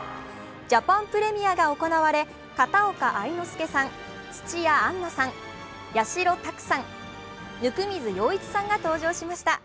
ジャパンプレミアが行われ片岡愛之助さん、土屋アンナさん、八代拓さん、温水洋一さんが登場しました。